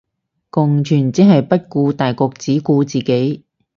共存即係不顧大局只顧自己